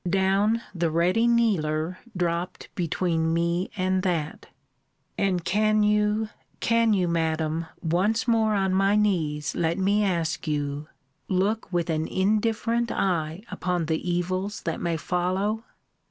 Down the ready kneeler dropt between me and that: And can you, can you, Madam, once more on my knees let me ask you, look with an indifferent eye upon the evils that may follow?